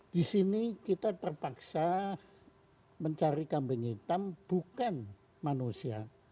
di sini kita terpaksa mencari kambing hitam bukan manusia